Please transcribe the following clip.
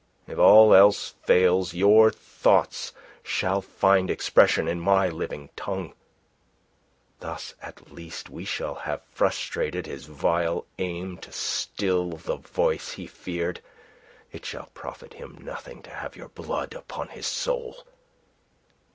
If all else fails, your thoughts shall find expression in my living tongue. Thus at least we shall have frustrated his vile aim to still the voice he feared. It shall profit him nothing to have your blood upon his soul.